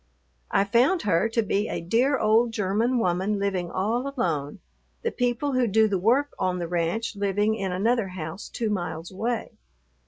I found her to be a dear old German woman living all alone, the people who do the work on the ranch living in another house two miles away.